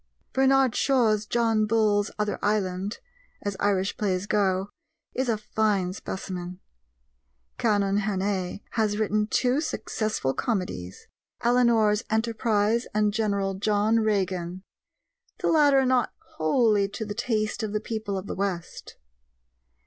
Bernard Shaw's John Bull's Other Island, as Irish plays go, is a fine specimen; Canon Hannay has written two successful comedies, Eleanor's Enterprise and General John Regan the latter not wholly to the taste of the people of the west.